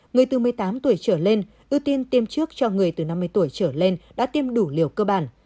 người từ một mươi tám tuổi trở lên ưu tiên tiêm trước cho người từ năm mươi tuổi trở lên đã tiêm đủ liều cơ bản